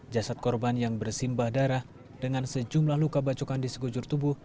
jasad korban yang bersimbah darah dengan sejumlah luka bacokan di segujur tubuh